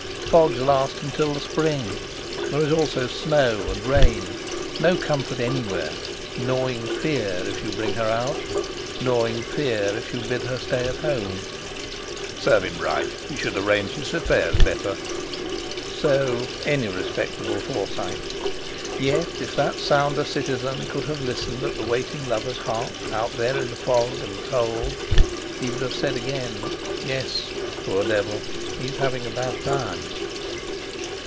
Fogs last until the spring; there is also snow and rain, no comfort anywhere; gnawing fear if you bring her out, gnawing fear if you bid her stay at home! "Serve him right; he should arrange his affairs better!" So any respectable Forsyte. Yet, if that sounder citizen could have listened at the waiting lover's heart, out there in the fog and the cold, he would have said again: "Yes, poor devil he's having a bad time!"